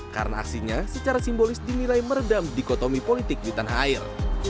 karena aksinya secara simbolis dinilai meredam dikotomi politik di tanah air